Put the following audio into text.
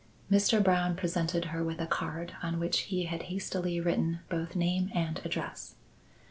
Mr. Brown presented her with a card on which he had hastily written both name and address.